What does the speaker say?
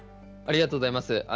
ありがとうございます。